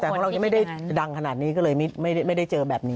แต่ของเรายังไม่ได้ดังขนาดนี้ก็เลยไม่ได้เจอแบบนี้